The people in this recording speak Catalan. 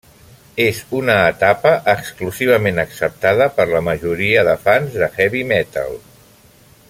És una etapa exclusivament acceptada per la majoria de fans de heavy metal.